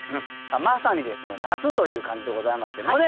まさにですね夏という感じでございますけれどもね